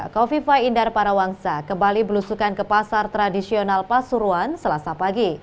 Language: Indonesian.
kofifa indar parawangsa kembali berusukan ke pasar tradisional pasuruan selasa pagi